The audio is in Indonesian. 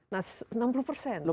nah enam puluh persen